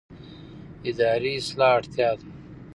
اداري اصلاح اړتیا ده